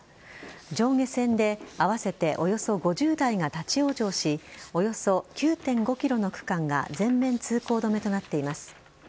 上下線で合わせておよそ５０台が立ち往生しおよそ９．５ｋｍの区間が全面通行止めとなっています。